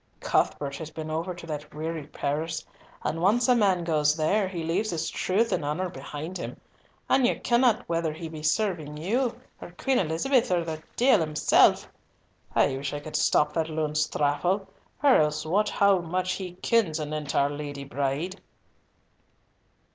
Cuthbert has been over to that weary Paris, and once a man goes there, he leaves his truth and honour behind him, and ye kenna whether he be serving you, or Queen Elizabeth, or the deil himsel'. I wish I could stop that loon's thrapple, or else wot how much he kens anent our Lady Bride."